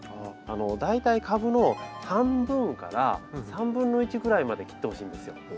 大体株の半分から３分の１ぐらいまで切ってほしいんですよ。